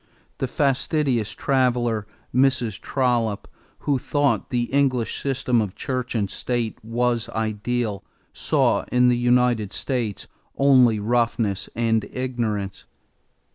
The fastidious traveler, Mrs. Trollope, who thought the English system of church and state was ideal, saw in the United States only roughness and ignorance.